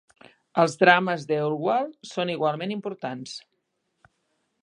Els "drames" d'Ewald són igualment importants.